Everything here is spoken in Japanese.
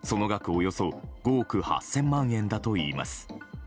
およそ５億８０００万円だといいます。